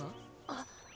あっ！